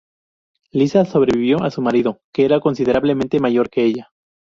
Lisa sobrevivió a su marido, que era considerablemente mayor que ella.